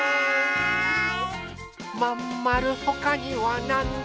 まんまるほかにはなんだ？